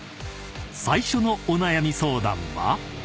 ［最初のお悩み相談は？］